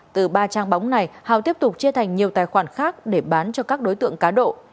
từ ba trang bóng này hào tiếp tục chia thành nhiều tài khoản khác để bán cho các đối tượng cá độ